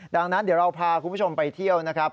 ดังนั้นเดี๋ยวเราพาคุณผู้ชมไปเที่ยวนะครับ